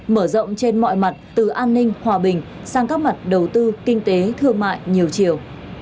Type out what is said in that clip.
mở rộng trên mọi mặt từ an ninh hòa bình sang các mặt đầu tư kinh tế thương mại nhiều chiều